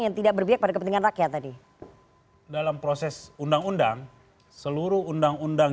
yang tidak berpihak pada kepentingan rakyat tadi dalam proses undang undang seluruh undang undang